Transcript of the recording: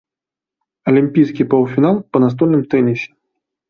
Алімпійскі паўфінал па настольным тэнісе.